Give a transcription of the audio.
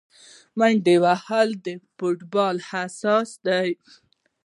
منډه وهل د فوټبال اساس دی.